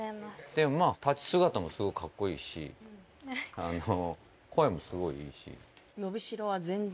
でもまあ立ち姿もすごくかっこいいし声もすごいいいし。